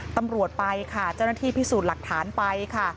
ตำรวจไปค่ะเจ้าหน้าที่พิสูจน์หลักฐานไปค่ะ